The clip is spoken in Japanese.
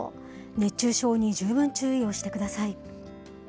熱中症に十分注意をしてください。